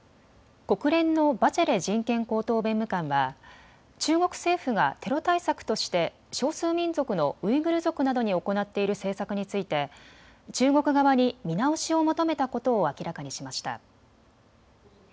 国連のバチェレ人権高等弁務官は中国政府がテロ対策として少数民族のウイグル族などに行っている政策について中国側に見直しを求めたことを明らかにしました。